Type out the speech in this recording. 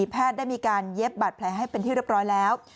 แพทย์ได้มีการเย็บบาดแผลให้เป็นที่เรียบร้อยแล้ว